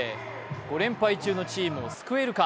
５連敗中のチームを救えるか。